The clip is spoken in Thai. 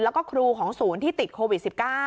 แล้วก็ครูของศูนย์ที่ติดโควิด๑๙